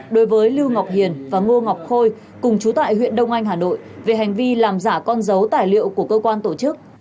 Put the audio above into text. đối với lưu ngọc hiền và ngô ngọc khôi cùng trú tại huyện đông anh hà nội về hành vi làm giả con dấu tài liệu của cơ quan tổ chức